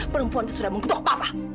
perempuan itu sudah menggutuk papa